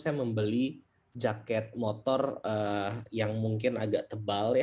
saya membeli jaket motor yang mungkin agak tebal ya